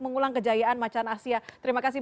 mengulang kejayaan macan asia terima kasih